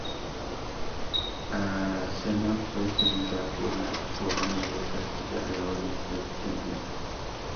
Aracena fue cedida por la Corona de Castilla a la Orden del Temple.